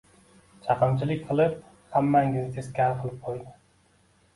Chaqimchilik qilib, hammamizni teskari qilib qo`ydi